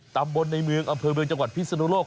ตำบลในเมืองอำเภอเมืองจังหวัดพิศนุโลก